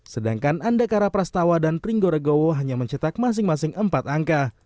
sedangkan andakara prastawa dan pringgoregowo hanya mencetak masing masing empat angka